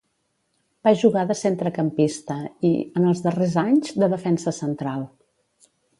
Va jugar de centrecampista i, en els darrers anys, de defensa central.